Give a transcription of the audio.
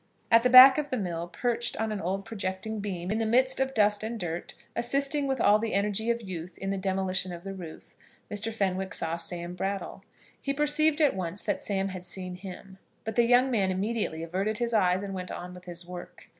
At the back of the mill, perched on an old projecting beam, in the midst of dust and dirt, assisting with all the energy of youth in the demolition of the roof, Mr. Fenwick saw Sam Brattle. He perceived at once that Sam had seen him; but the young man immediately averted his eyes and went on with his work.